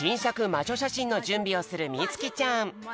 まじょしゃしんのじゅんびをするみつきちゃん。